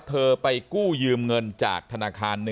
ไปกู้ยืมเงินจากธนาคาร๑